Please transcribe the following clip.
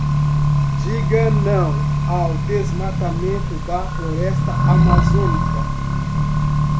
Diga não ao desmatamento da floresta amazônica